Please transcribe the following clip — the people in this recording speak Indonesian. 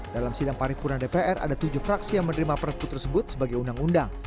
dalam sidang paripurna dpr ada tujuh fraksi yang menerima perpu tersebut sebagai undang undang